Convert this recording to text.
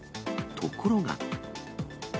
ところが。